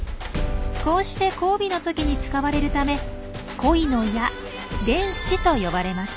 こうして交尾の時に使われるため恋の矢「恋矢」と呼ばれます。